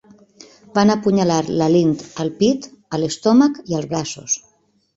Van apunyalar la Lindh al pit, a l'estómac i als braços.